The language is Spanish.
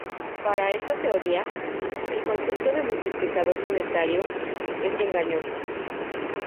Para esta teoría, el concepto de multiplicador monetario, es engañoso.